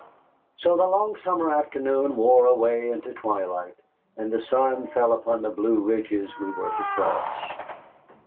So the long summer afternoon wore away into twilight, and the sun fell behind the blue ridges we were to cross.